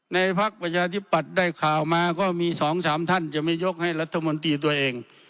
พักประชาธิปัตย์ได้ข่าวมาก็มี๒๓ท่านจะไม่ยกให้รัฐมนตรีตัวเอง